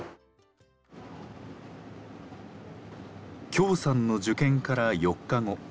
姜さんの受験から４日後。